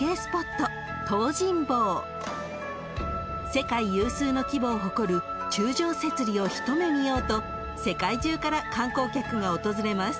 ［世界有数の規模を誇る柱状節理をひと目見ようと世界中から観光客が訪れます］